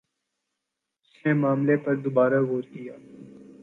اس نے معاملے پر دوبارہ غور کِیا